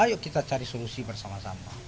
ayo kita cari solusi bersama sama